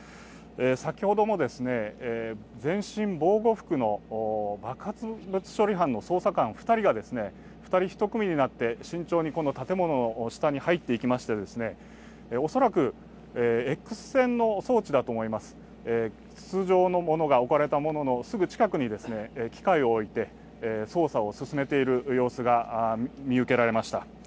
先ほども全身防護服の爆発物処理班の捜査官２人が２人１組になって、建物の下に入っていきまして、恐らくＸ線の装置だと思います、筒状のものが置かれたすぐ近くに機械を置いて捜査を進めている様子が見受けられました。